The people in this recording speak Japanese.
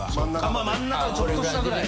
・まあ真ん中ちょっと下ぐらい